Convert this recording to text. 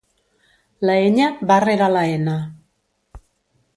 La enya va rere la ena.